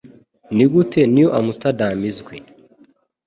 Ni gute New Amsterdam izwi?